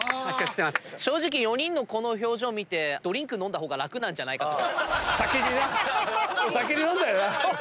正直４人のこの表情を見てドリンク飲んだ方が楽なんじゃないかと。